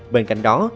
bên cạnh đó